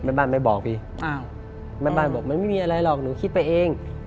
แม่บ้านไม่บอกพี่อ้าวแม่บ้านบอกมันไม่มีอะไรหรอกหนูคิดไปเอง